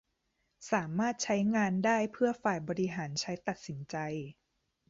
สามารถใช้งานได้เพื่อฝ่ายบริหารใช้ตัดสินใจ